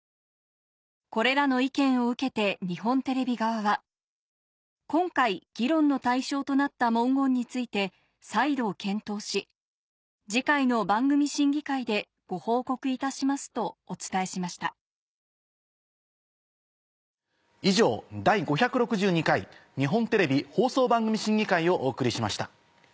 これらの意見を受けて日本テレビ側は「今回議論の対象となった文言について再度検討し次回の番組審議会でご報告いたします」とお伝えしました以上「第５６２回日本テレビ放送番組審議会」をお送りしました。